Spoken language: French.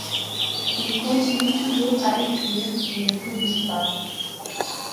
Il continue toujours à écrire, mais ne publie pas.